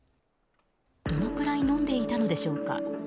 どのくらい飲んでいたのでしょうか。